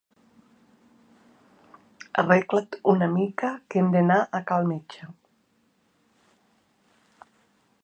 Arregla't una mica, que hem d'anar a cal metge.